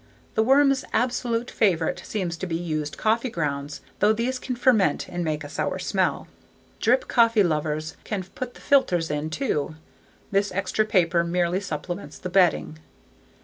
The worms' absolute favorite seems to be used coffee grounds though these can ferment and make a sour smell. Drip coffee lovers can put the filters in too. This extra paper merely supplements the bedding.